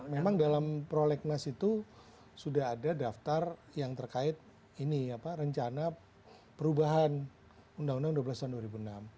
memang dalam prolegnas itu sudah ada daftar yang terkait ini apa rencana perubahan undang undang dua belas tahun dua ribu enam